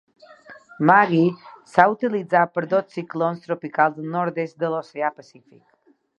Maggie s'ha utilitzat per dos ciclons tropicals al nord-oest de l'Oceà Pacífic.